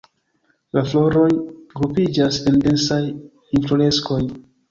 La floroj grupiĝas en densaj infloreskoj.